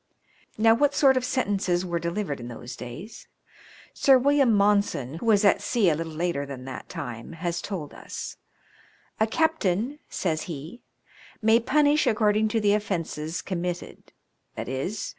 Now, what sort of sentences were delivered in those days ? Sir William Monson, who was at sea a little later than that time, has told us : "A captain," says he, "may punish according to the offences com mitted, viz.